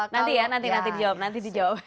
nanti ya nanti nanti dijawab nanti dijawab